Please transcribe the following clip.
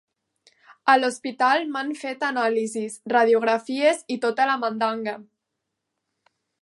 A l'hospital m'han fet anàlisis, radiografies i tota la mandanga.